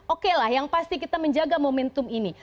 oke lah yang pasti kita menjaga momentum ini